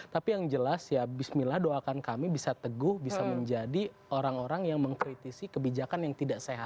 tapi yang jelas ya bismillah doakan kami bisa teguh bisa menjadi orang orang yang mengkritisi kebijakan yang tidak sehat